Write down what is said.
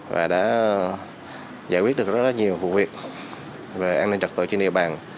và đã giải quyết được rất là nhiều vụ việc về an ninh trật tự trên địa bàn